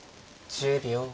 １０秒。